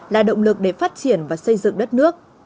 là động lực để phát triển và xây dựng đất nước